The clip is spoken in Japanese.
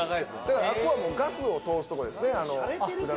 あそこはガスを通すとこです。